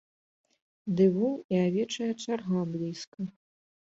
Ды вунь і авечая чарга блізка.